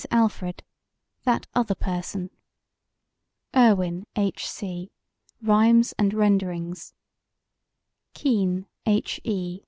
ALFRED: That Other Person IRWIN, H. C.: Rhymes and Renderings KEENE, H. E.